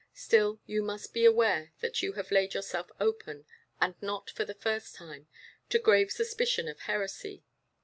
Still you must be aware that you have laid yourself open, and not for the first time, to grave suspicion of heresy.